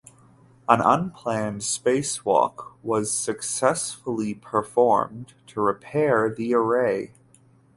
An unplanned spacewalk was successfully performed to repair the array.